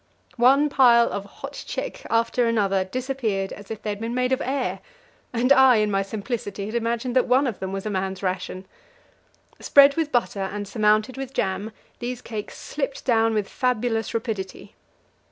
One pile of "hot chek" after another disappeared as if they had been made of air and I, in my simplicity, had imagined that one of them was a man's ration! Spread with butter and surmounted with jam, these cakes slipped down with fabulous rapidity.